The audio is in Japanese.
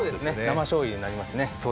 生しょうゆになりますね。